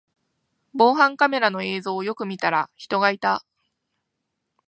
防犯カメラの映像をよく見たら人がいた